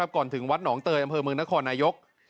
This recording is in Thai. ก่อนถึงวัดหนองเตยอำเภอเมืองนครนายก